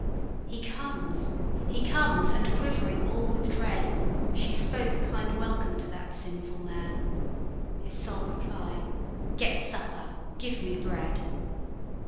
He comes he comes! and, quivering all with dread, She spoke kind welcome to that sinful man. His sole reply, 'Get supper give me bread!'